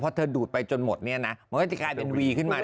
แต่พอดูดไปจนหมดมันก็จะกลายเป็นวีขึ้นมาด้วย